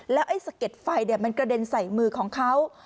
ไอ้สะเด็ดไฟมันกระเด็นใส่มือของเขา